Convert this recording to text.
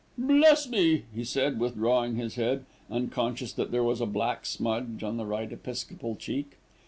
"Bless me!" he said, withdrawing his head, unconscious that there was a black smudge on the right episcopal cheek.